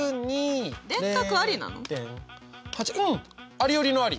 ありよりのあり。